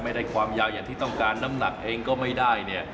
ไม่ได้ความยาวอย่างที่ต้องการน้ำหนักเองก็ไม่ได้เนี่ย